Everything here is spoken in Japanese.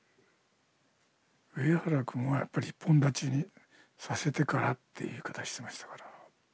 上原君はやっぱり一本立ちにさせてからって言い方してましたから。